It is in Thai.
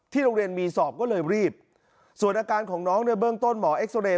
โรงเรียนมีสอบก็เลยรีบส่วนอาการของน้องในเบื้องต้นหมอเอ็กซอเรย